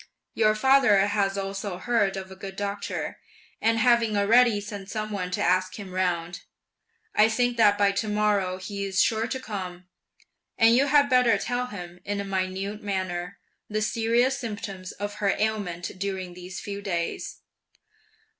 Your father has also heard of a good doctor, and having already sent some one to ask him round, I think that by to morrow he's sure to come; and you had better tell him, in a minute manner, the serious symptoms of her ailment during these few days."